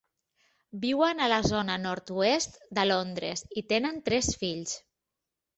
Viuen a la zona nord-oest de Londres i tenen tres fills.